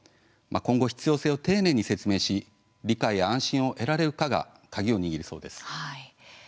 今後、必要性を丁寧に説明し理解や安心を得られるかが鍵を握りそうです。